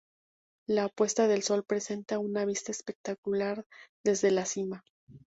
La puesta del sol presenta una vista espectacular desde la cima.